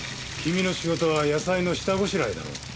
君の仕事は野菜の下ごしらえだろ。